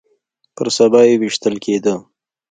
پر سبا يې ويشتل کېده.